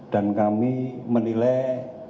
dan kami menilai